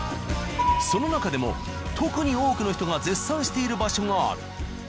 その中でも特に多くの人が絶賛している場所がある。